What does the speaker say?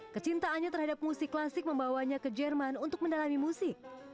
kecintaannya terhadap musik klasik membawanya ke jerman untuk mendalami musik